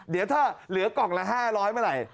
เดี๋ยวถ้าเหลือกล่องละ๕๐๐เมื่อไหร่